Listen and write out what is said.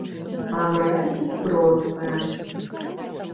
А мараль тут простая.